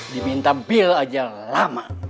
diminta bil aja lama